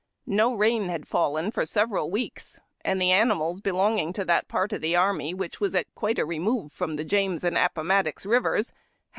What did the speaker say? No rain had fallen for several weeks, and the animals belonging to that part of the army which was a quite a remove from the James and Appomattox Livers liad U.